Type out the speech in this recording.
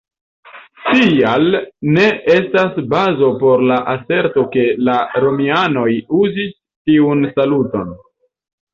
Tial ne estas bazo por la aserto ke la romianoj uzis tiun saluton.